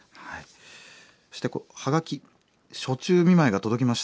そしてはがき暑中見舞いが届きました。